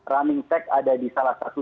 running check ada di salah satu